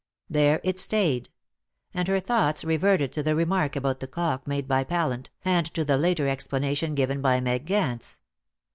There it stayed; and her thoughts reverted to the remark about the clock made by Pallant, and to the later explanation given by Meg Gance.